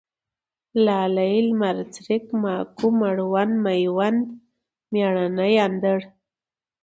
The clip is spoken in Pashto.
لالی ، لمرڅرک ، ماکو ، مړوند ، مېوند ، مېړنی، اندړ